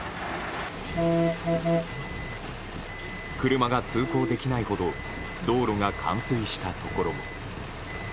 車が通行できないほど道路が冠水したところも。